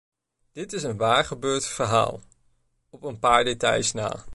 Dit is een waar gebeurd verhaal, op een paar details na.